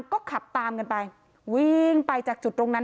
ก็ขับตามกันไปวิ่งไปจากจุดตรงนั้น